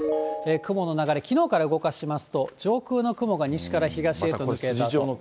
雲の流れ、きのうから動かしますと、上空の雲が西から東へと抜けた。